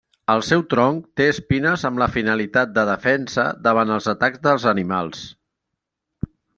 El seu tronc té espines amb la finalitat de defensa davant els atacs dels animals.